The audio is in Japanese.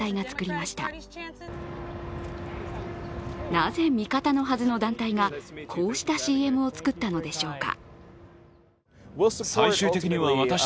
なぜ味方のはずの団体がこうしたＣＭを作ったのでしょうか。